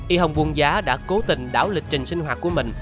y hồng buông giá đã cố tình đảo lịch trình sinh hoạt của mình